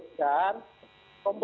ini sudah berbeda